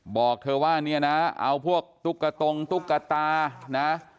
บอกเจ้าว่าเอาพวกตุ๊กตังนะ